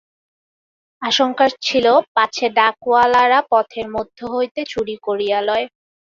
আশঙ্কা ছিল, পাছে ডাকওয়ালারা পথের মধ্য হইতে চুরি করিয়া লয়।